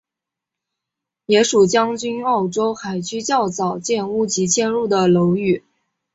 也属将军澳填海区较早建屋及迁入的楼宇。